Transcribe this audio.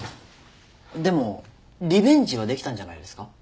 でもリベンジはできたんじゃないですか？